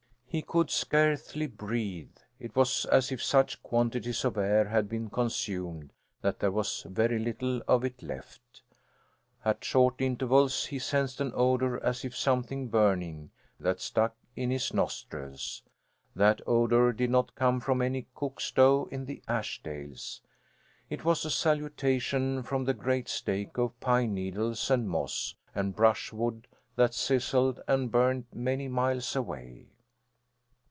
He could scarcely breathe. It was as if such quantities of air had been consumed that there was very little of it left. At short intervals he sensed an odour, as of something burning, that stuck in his nostrils. That odour did not come from any cook stove in the Ashdales! It was a salutation from the great stake of pine needles, and moss, and brushwood that sizzled and burned many miles away.